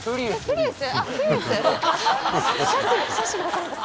プリウス？